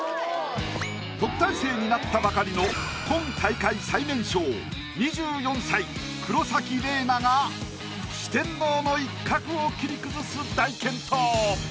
特待生になったばかりの今大会最年少２４歳黒崎レイナが四天王の一角を切り崩す大健闘。